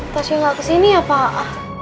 tasya gak kesini ya pak